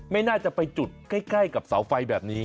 ไม่น่าจะไปจุดใกล้กับเสาไฟแบบนี้